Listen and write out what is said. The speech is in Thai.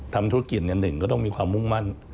ทำธุรกิจหนึ่งก็ต้องมีความมุ่งมั่น